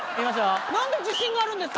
何で自信があるんですか？